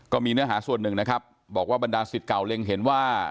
เนื้อหาส่วนหนึ่งนะครับบอกว่าบรรดาศิษย์เก่าเล็งเห็นว่า